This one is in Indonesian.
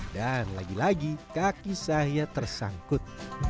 dan lagi lagi kaki saya tersangkut